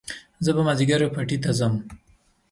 زه به مازيګر پټي ته ځم